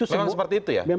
memang seperti itu ya